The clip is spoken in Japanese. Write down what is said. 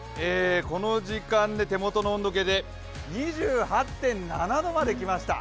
この時間で手元の温度計で２８．７度まできました。